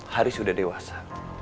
haris udah dewasa